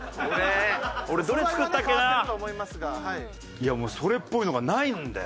いやもうそれっぽいのがないんだよ。